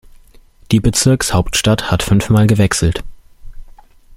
Die Bezirkshauptstadt hat fünfmal gewechselt.